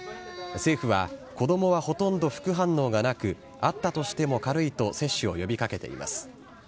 政府は、子どもはほとんど副反応がなく、あったとしても軽いと接種を呼びかけています。